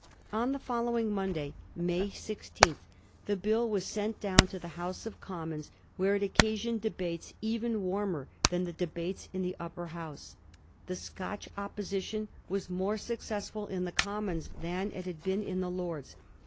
On the following Monday, May 16th, 68 A. BISTORT OF THE FOUR GEORGES. CH.xxir. the Bill was sent down to the House of Commons, where it occasioned debates even warmer than the debates in the Upper House. The Scotch opposition was more success ful in the Commons than it had been in the Lords.